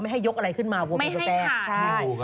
ไม่ให้ยกอะไรขึ้นมาวอลดีสนี่ใช่